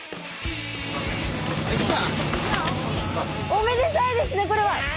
おめでたいですねこれは。わあ！